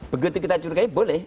begitu kita curigai boleh